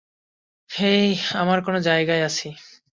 হেই, আমরা কোন জায়গায় আছি?